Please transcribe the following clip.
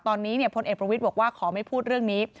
ตอนนี้พลเอกประวิทย์บอกว่าขอไม่พูดเรื่องนี้